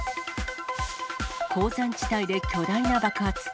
鉱山地帯で巨大な爆発。